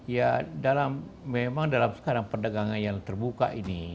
ya memang dalam sekarang perdagangan yang terbuka ini